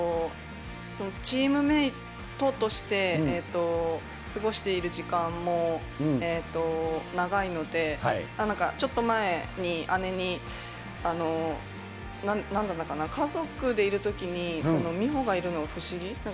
チームメートとして過ごしている時間も長いので、なんかちょっと前に姉に、なんだったかな、家族でいるときに、美帆がいるのが不思議？